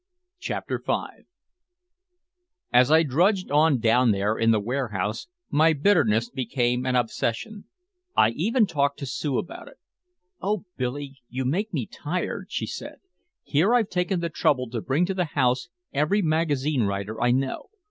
CHAPTER V As I drudged on down there in the warehouse, my bitterness became an obsession. I even talked about it to Sue. "Oh, Billy, you make me tired," she said. "Here I've taken the trouble to bring to the house every magazine writer I know.